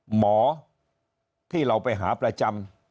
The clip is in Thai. หมอที่เราไปหาประจำ